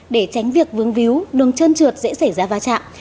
để tránh việc vướng víu đường trơn trượt dễ xảy ra va chạm